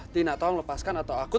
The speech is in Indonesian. tina tolong lepaskan atau aku terpaksa